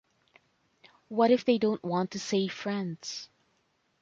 What if they don't want to say friends?